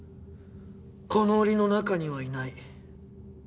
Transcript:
この檻の中にはいない。